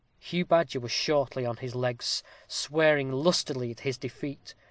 Hugh Badger was shortly on his legs, swearing lustily at his defeat.